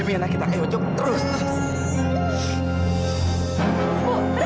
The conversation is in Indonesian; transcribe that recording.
mas apa tidak cukup